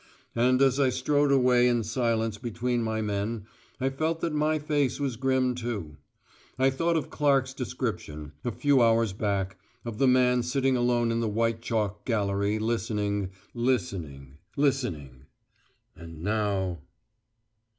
And as I strode away in silence between my men, I felt that my face was grim too. I thought of Clark's description, a few hours back, of the man sitting alone in the white chalk gallery, listening, listening, listening. And now!